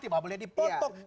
tidak boleh dipotong